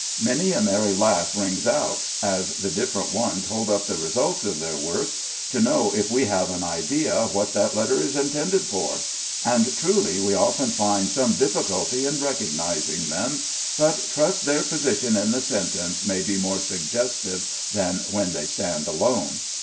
Many a merry laugh rings out, as the different ones hold up the results of their work to know if we have an idea "what that letter is intended for?" and truly we often find some difficulty in recognizing them, but trust their position in the sentence may be more suggestive than when they stand alone.